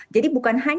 jadi bukan hanya